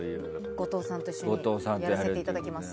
後藤さんと一緒にやらせてもらいます。